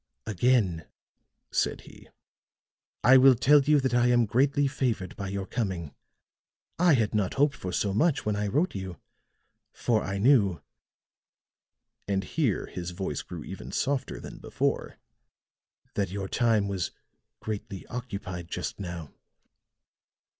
"Again," said he, "I will tell you that I am greatly favored by your coming. I had not hoped for so much when I wrote you, for I knew," and here his voice grew even softer than before, "that your time was greatly occupied just now."